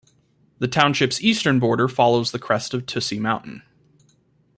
The township's eastern border follows the crest of Tussey Mountain.